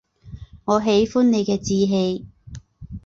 我喜欢你的志气